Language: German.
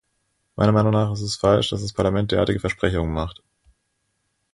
Meiner Meinung nach ist es falsch, dass das Parlament derartige Versprechungen macht.